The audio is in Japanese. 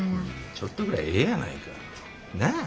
ちょっとぐらいええやないか。なあ？